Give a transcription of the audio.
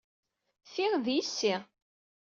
Ti, d yessi.